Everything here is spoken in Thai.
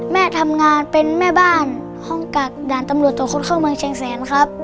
แม่ทำงานเป็นแม่บ้านห้องกักด่านตำรวจตรวจคนเข้าเมืองเชียงแสนครับ